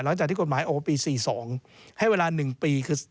หลังจากที่กฎหมายโอคร์๔๒ให้เวลาหนึ่งปี